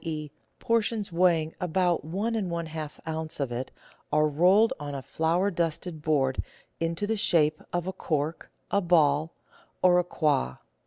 e., por tions weighing about one and one half oz. of it, are rolled on a flour dusted board into the shape of a cork, a ball, or a quoit.